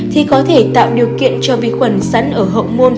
thì có thể tạo điều kiện cho vi khuẩn sắn ở hậu môn